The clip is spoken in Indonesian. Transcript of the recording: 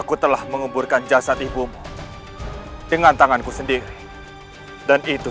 kau sudah mengingkatkan dia dengan keranjang yang sering digunakan di pada dasarnya